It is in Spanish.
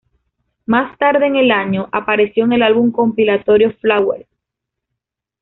Más tarde en el año, apareció en el álbum compilatorio "Flowers".